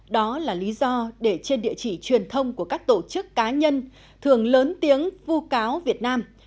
đó là lý do để trên địa chỉ truyền thông của các tổ chức cá nhân thường lớn tiếng vu cáo việt nam